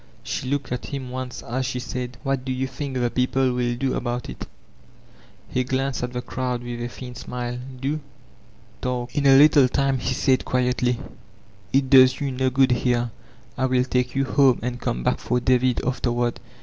She k>oked at him once as she sakl, ''What do you think the people will do about it?" 428 VOLTAISINB IS ClBYBB He glanced at the crowd with a thin smik: ''Do? Talk." In a little time he said quietly: "It does yoa no good here. I will take you home and come back for David afterward."